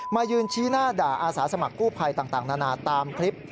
มายืนชี้หน้าด่าอาสาสมัครกู้ภัยต่างนานาตามคลิป